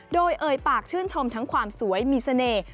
โดยเอ่ยปากชื่นชมทั้งความสวยมีเสน่ห์